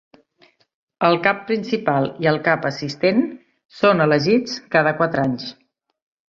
El Cap Principal i el Cap Assistent són elegits cada quatre anys.